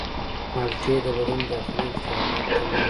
مالټې د بدن داخلي التهابات کموي.